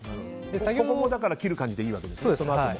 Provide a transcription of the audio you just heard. ここも切る感じでいいわけですね。